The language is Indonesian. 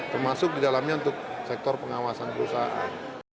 termasuk di dalamnya untuk sektor pengawasan perusahaan